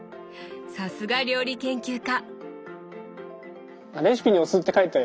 さすが料理研究家！